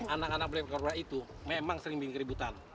anak anak black cobra itu memang sering bikin keributan